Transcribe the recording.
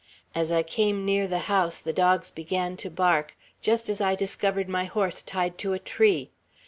As I came near the house, the dogs began to bark, just as I discovered my horse tied to a tree.